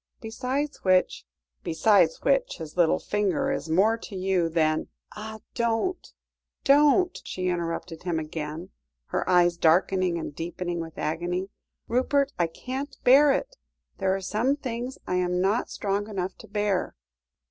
Besides which " "Besides which his little finger is more to you than " "Ah! don't don't!" she interrupted him again, her eyes darkening and deepening with agony. "Rupert, I can't bear it; there are some things I am not strong enough to bear."